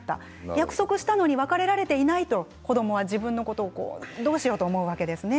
約束したのに別れられていない子どもはどうしようと思うわけですね。